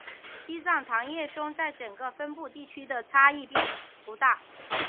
西藏长叶松在整个分布地区的变异不大。